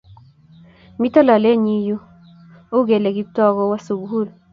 mito lolenyin yu, ukele Kiptooo kuwo sukul